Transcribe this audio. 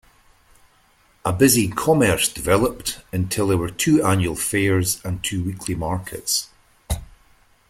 A busy commerce developed until there were two annual fairs and two weekly markets.